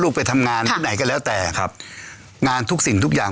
ไปทำงานที่ไหนก็แล้วแต่ครับงานทุกสิ่งทุกอย่าง